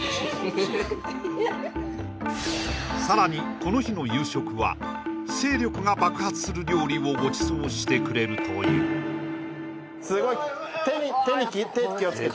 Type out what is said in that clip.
さらにこの日の夕食は精力が爆発する料理をごちそうしてくれるというすごい！